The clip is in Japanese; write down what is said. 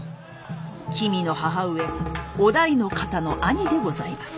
君の母上於大の方の兄でございます。